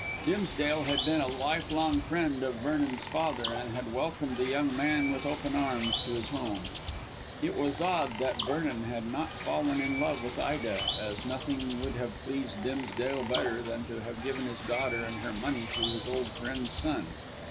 Dimsdale had been a life long friend of Vernon's father, and had welcomed the young man with open arms to his home. It was odd that Vernon had not fallen in love with Ida, as nothing would have pleased Dimsdale better than to have given his daughter and her money to his old friend's son.